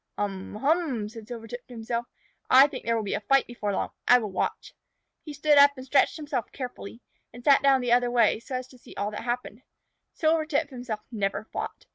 "Um hum!" said Silvertip to himself. "I think there will be a fight before long. I will watch." He stood up and stretched himself carefully and sat down the other way, so as to see all that happened. Silvertip himself never fought.